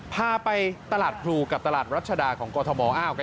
พาไปตลาดครูกับตลาดรัชดาของกฎธหมออ้าว